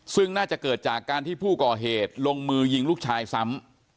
ซึ่งน่าจะเกิดจากการที่ผู้ก่อเหตุลงมือยิงลูกชายซ้ำ